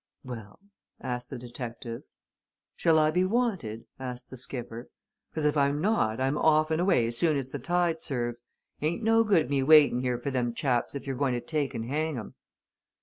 "Well?" asked the detective. "Shall I be wanted?" asked the skipper. "'Cause if not, I'm off and away as soon as the tide serves. Ain't no good me waitin' here for them chaps if you're goin' to take and hang 'em!"